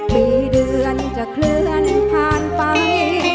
ปีเดือนจะเคลื่อนผ่านไป